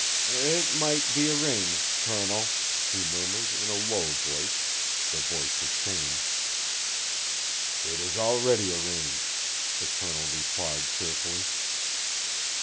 "It might be arranged, Colonel," he murmured in a low voice the voice of shame. "It is already arranged," the Colonel replied cheerfully.